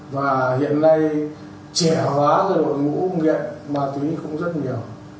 và hiện nay trẻ hóa cái đội ngũ nghiện ma túy cũng rất nhiều